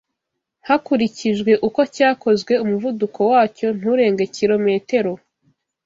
hakurikijwe uko cyakozwe umuvuduko wacyo nturenge kiro metero